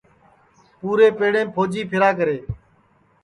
پُورے پیڑیم پھوجی پھیرا کرے